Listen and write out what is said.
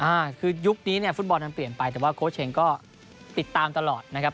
อ่าคือยุคนี้เนี่ยฟุตบอลมันเปลี่ยนไปแต่ว่าโค้ชเชงก็ติดตามตลอดนะครับ